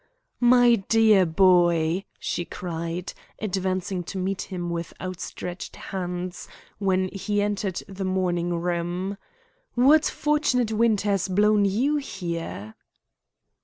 "My dear boy," she cried, advancing to meet him with outstretched hands when he entered the morning room. "What fortunate wind has blown you here?"